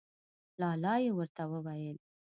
لا لا یې ورته وویل.